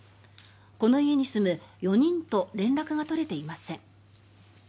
この家に住む４人と連絡が取れていません。